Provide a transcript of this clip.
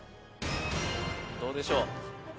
どうでしょう？